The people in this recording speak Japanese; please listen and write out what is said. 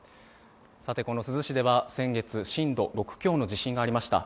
この珠洲市では先月、震度６強の地震がありました。